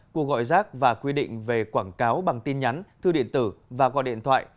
cuộc gọi rác và quy định về quảng cáo bằng tin nhắn thư điện tử và gọi điện thoại